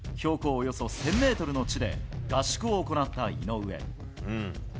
およそ１０００メートルの地で合宿を行った井上。